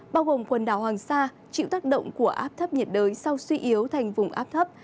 bao gồm quần đảo hoàng sa chịu tác động của áp thấp nhiệt đới sau suy yếu thành vùng áp thấp